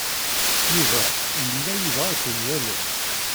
Yuba yella yebɣa ad ken-yalel.